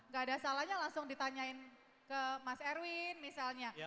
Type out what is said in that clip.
gak ada salahnya langsung ditanyain ke mas erwin misalnya